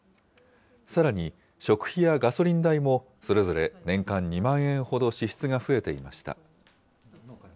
さらに食費やガソリン代も、それぞれ年間２万円ほど支出が増えていました。